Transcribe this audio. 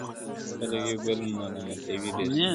خلک يو بل ملامتوي ډېر سخت,